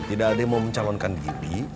tidak ada yang mau mencalonkan diri